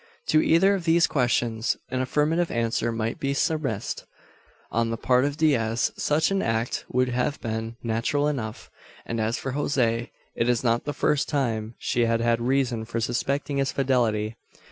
To either of these questions an affirmative answer might be surmised. On the part of Diaz such an act would have been natural enough; and as for Jose, it is not the first time she has had reason for suspecting his fidelity.